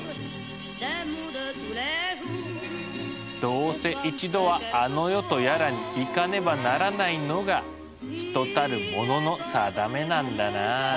どうせ一度はあの世とやらに行かねばならないのが人たるものの定めなんだな。